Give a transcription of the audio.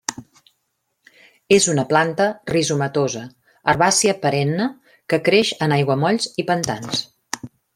És una planta rizomatosa, herbàcia perenne que creix en aiguamolls i pantans.